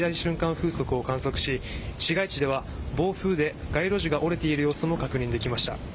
風速を観測し市街地では暴風で街路樹が折れている様子も確認できました。